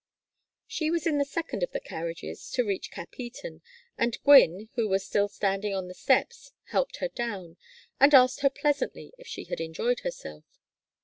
She was in the second of the carriages to reach Capheaton, and Gwynne, who was still standing on the steps, helped her down, and asked her pleasantly if she had enjoyed herself.